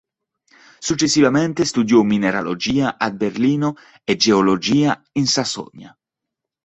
Successivamente studiò mineralogia a Berlino, e geologia in Sassonia.